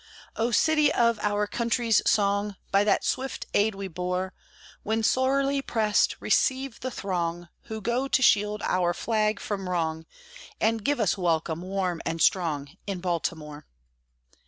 "O city of our country's song! By that swift aid we bore When sorely pressed, receive the throng Who go to shield our flag from wrong, And give us welcome, warm and strong, In Baltimore!"